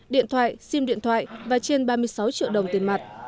điện thoại sim điện thoại và trên ba mươi sáu triệu đồng tiền mặt